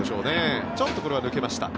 ちょっとこれは抜けました。